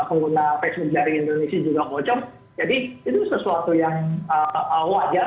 pengguna facebook dari indonesia juga bocor jadi itu sesuatu yang wajar